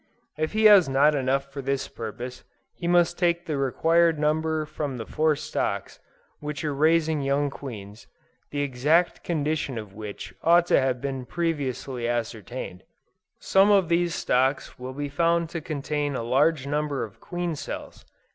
If he has not enough for this purpose, he must take the required number from the four stocks which are raising young queens, the exact condition of which ought to have been previously ascertained. Some of these stocks will be found to contain a large number of queen cells.